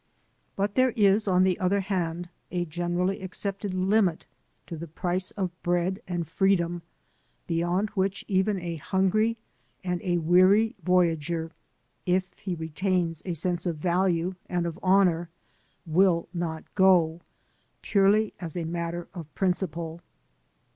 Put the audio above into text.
But there is, on the other hand, a generally accepted limit to the price of bread and freedom beyond which even a hungry and a weary voyager, if he retains a sense of value and of honor, will not go, purely as a matter of principle.